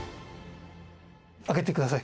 開けてください